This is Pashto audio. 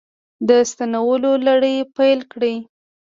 د ستنولو لړۍ پیل کړې